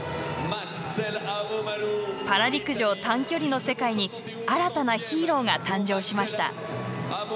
パラ陸上短距離の世界に新たなヒーローが誕生しました。